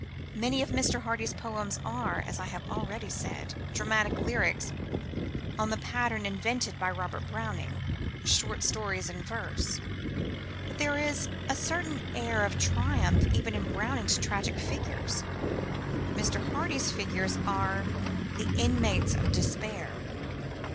Many of Mr. Hardy's poems are, as I have already said, dramatic lyrics on the pattern invented by Robert Browning short stories in verse. But there is a certain air of triumph even in Browning's tragic figures. Mr. Hardy's figures are the inmates of despair.